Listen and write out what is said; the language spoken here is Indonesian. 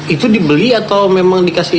itu dibeli atau memang dikasih